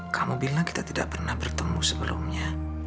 kamu bilang kita tidak pernah bertemu sebelumnya